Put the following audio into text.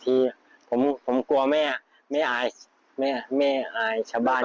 ต้องมาเลือกเก็บที่ใกล้บ้าน